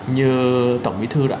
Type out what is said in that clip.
như tổng bí thư đã nói